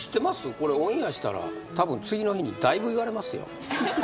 これＯ．Ａ．したら多分次の日にだいぶ言われますよ